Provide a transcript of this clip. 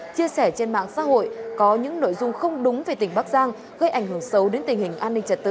chia sẻ trên mạng xã hội có những nội dung không đúng về tỉnh bắc giang gây ảnh hưởng sâu đến tình hình an ninh trật tự